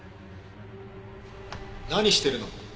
何してるの？